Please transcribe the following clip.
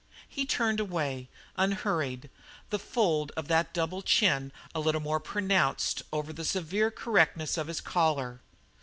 He turned away, unhurried, the fold of that double chin a little more pronounced over the severe correctness of his collar.